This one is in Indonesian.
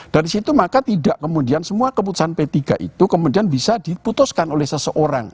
dari situ maka tidak kemudian semua keputusan p tiga itu kemudian bisa diputuskan oleh seseorang